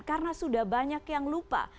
karena sudah banyak yang lupa